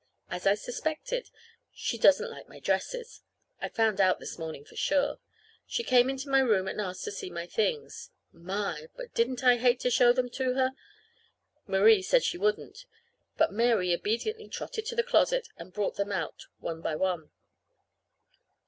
As I suspected, she doesn't like my dresses. I found out this morning for sure. She came into my room and asked to see my things. My! But didn't I hate to show them to her? Marie said she wouldn't; but Mary obediently trotted to the closet and brought them out one by one.